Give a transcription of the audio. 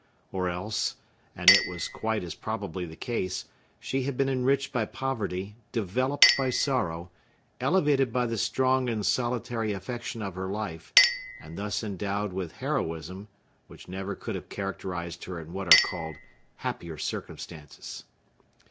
Or else,—and it was quite as probably the case,—she had been enriched by poverty, developed by sorrow, elevated by the strong and solitary affection of her life, and thus endowed with heroism, which never could have characterized her in what are called happier circumstances.